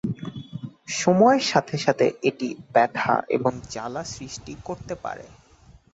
সময়ের সাথে সাথে এটি ব্যাথা এবং জ্বালা সৃষ্টি করতে পারে।